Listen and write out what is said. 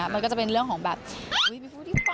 มันก็จะเป็นเรื่องของแบบอุ๊ยมีผู้อิงฟ้า